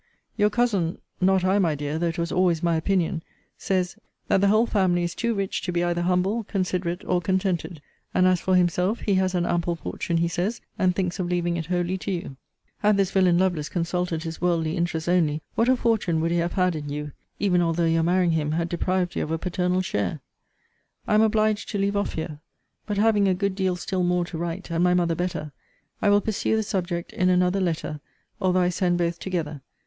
Your cousin [not I, my dear, though it was always my opinion*] says, that the whole family is too rich to be either humble, considerate, or contented. And as for himself, he has an ample fortune, he says, and thinks of leaving it wholly to you. * See Vol. I. Letter X. Had this villain Lovelace consulted his worldly interest only, what a fortune would he have had in you, even although your marrying him had deprived you of a paternal share! I am obliged to leave off here. But having a good deal still more to write, and my mother better, I will pursue the subject in another letter, although I send both together.